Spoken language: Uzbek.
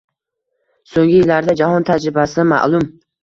Soʻnggi yillarda jahon tajribasidan ma'lum.